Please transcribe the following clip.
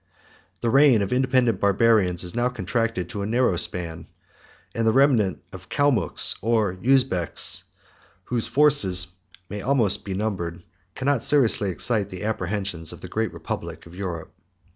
The reign of independent Barbarism is now contracted to a narrow span; and the remnant of Calmucks or Uzbecks, whose forces may be almost numbered, cannot seriously excite the apprehensions of the great republic of Europe.